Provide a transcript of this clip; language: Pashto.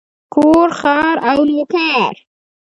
کور، خر او نوکر.